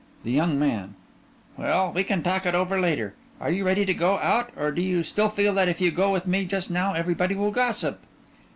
THE YOUNG MAN: Well, we can talk it over later, Are you ready to go out? Or do you still feel that if you go with me just now everybody will gossip?